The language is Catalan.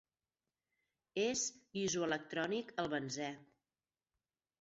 És isoelectrònic al benzè.